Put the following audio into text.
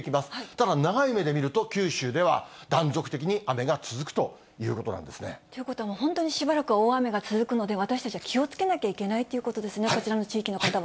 ただ長い目で見ると、九州では断続的に雨が続くということなんですね。ということは、もう本当にしばらくは大雨が続くので、私たちは気をつけなきゃいけないということですね、こちらの地域の方は。